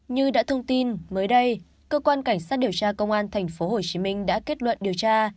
như đã thông tin mới đây cơ quan cảnh sát điều tra công an tp hcm đã kết luận điều tra